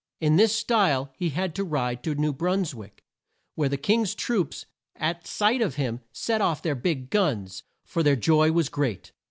In this style he had to ride to New Bruns wick, where the King's troops at sight of him set off their big guns, for their joy was great.